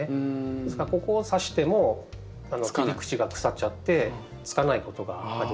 ですからここをさしても切り口が腐っちゃってつかないことがあります。